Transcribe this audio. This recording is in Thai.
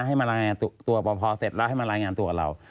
ให้มารายงานตัวพอเสร็จแล้วให้มารายงานตัวกับเรา